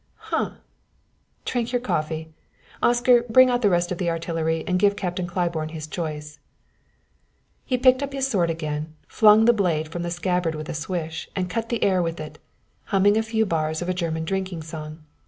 "Humph! Drink your coffee! Oscar, bring out the rest of the artillery and give Captain Claiborne his choice." He picked up his sword again, flung the blade from the scabbard with a swish, and cut the air with it, humming a few bars of a German drinking song.